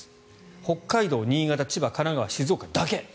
北海道、新潟、千葉、神奈川静岡だけ。